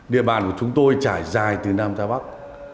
địa bàn của chúng tôi trải dài từ nam ra bắc